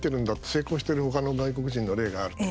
成功している他の外国人の例がある。